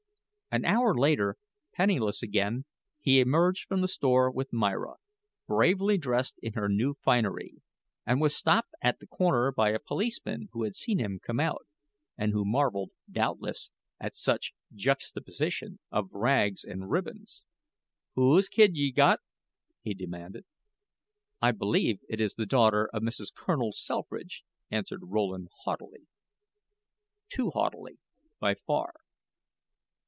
An hour later, penniless again, he emerged from the store with Myra, bravely dressed in her new finery, and was stopped at the corner by a policeman who had seen him come out, and who marveled, doubtless, at such juxtaposition of rags and ribbons. "Whose kid ye got?" he demanded. "I believe it is the daughter of Mrs. Colonel Selfridge," answered Rowland, haughtily too haughtily, by far.